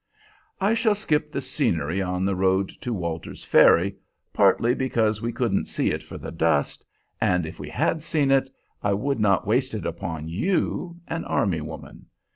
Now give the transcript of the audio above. I shall skip the scenery on the road to Walter's Ferry, partly because we couldn't see it for the dust; and if we had seen it, I would not waste it upon you, an army woman.